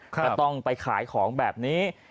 ก็ต้องไปขายของแบบนี้